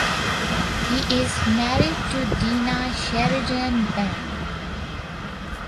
He is married to Dina Sheridan Benn.